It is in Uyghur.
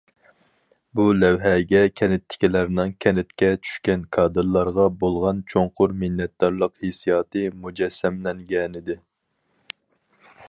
بۇ لەۋھەگە كەنتتىكىلەرنىڭ كەنتكە چۈشكەن كادىرلارغا بولغان چوڭقۇر مىننەتدارلىق ھېسسىياتى مۇجەسسەملەنگەنىدى.